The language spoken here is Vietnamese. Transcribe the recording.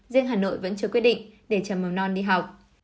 riêng hà nội vẫn chưa quyết định để cho mầm non đi học